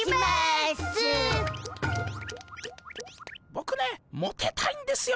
ボクねモテたいんですよ。